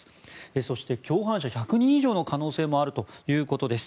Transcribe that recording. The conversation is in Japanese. そして、共犯者１００人以上の可能性もあるということです。